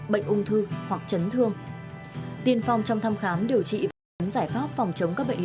bệnh ung thư hoặc chấn thương tiên phòng trong thăm khám điều trị giải pháp phòng chống các bệnh